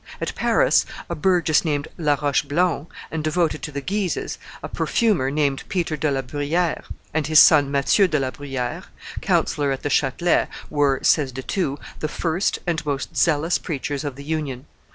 At Paris, a burgess named La Roche Blond, and devoted to the Guises, a perfumer named Peter de la Bruyere and his son Matthew de la Bruyere, councillor at the Chatelet, were, says De Thou, the first and most zealous preachers of the Union.